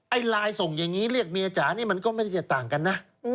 ไอ้ลายส่งอย่างนี้เรียกเมียจะมันก็ไม่ได้แตทย์ต่างกันนะ